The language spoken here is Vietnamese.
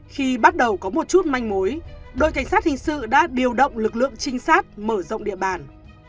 khi bắt đầu có một chút manh mối đội cảnh sát hình sự đã điều động lực lượng trinh sát mở rộng địa bàn